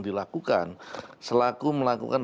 dilakukan selaku melakukan